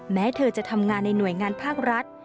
แม้เธอจะทำงานในหน่วยงานภาครัฐ